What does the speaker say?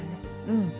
うん。